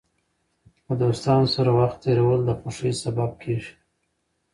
د دوستانو سره وخت تېرول د خوښۍ سبب کېږي.